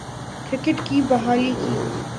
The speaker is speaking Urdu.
کرکٹ کی بحالی کی